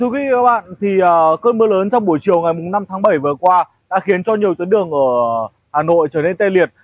cơn mưa lớn trong buổi chiều ngày năm tháng bảy vừa qua đã khiến cho nhiều tuyến đường ở hà nội trở nên tê liệt